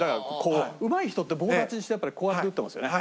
うまい人って棒立ちしてこうやって打ってますよね。